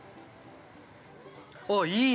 ◆あっ、いいね。